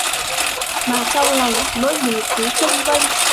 Mà trong lòng nỗi nhớ cứ chênh vênh